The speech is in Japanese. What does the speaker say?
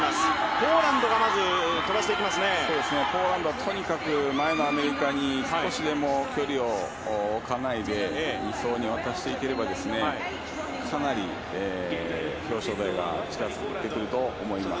ポーランドとにかく前のアメリカに少しでも距離を置かないで２走に渡していければかなり表彰台が近づいてくると思います。